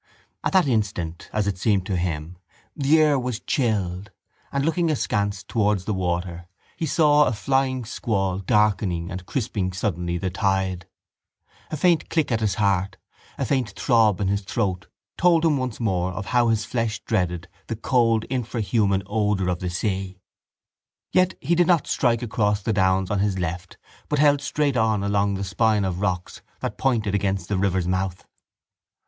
At that instant, as it seemed to him, the air was chilled and, looking askance towards the water, he saw a flying squall darkening and crisping suddenly the tide. A faint click at his heart, a faint throb in his throat told him once more of how his flesh dreaded the cold infrahuman odour of the sea; yet he did not strike across the downs on his left but held straight on along the spine of rocks that pointed against the river's mouth.